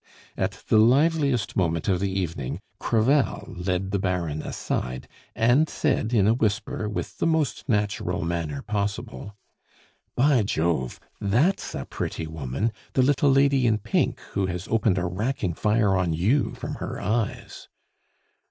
At the liveliest moment of the evening Crevel led the Baron aside, and said in a whisper, with the most natural manner possible: "By Jove! that's a pretty woman the little lady in pink who has opened a racking fire on you from her eyes."